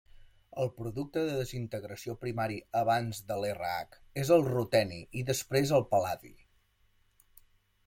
El producte de desintegració primari abans del Rh és el ruteni i després el pal·ladi.